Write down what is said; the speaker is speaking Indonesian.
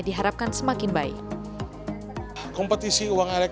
diharapkan semakin baik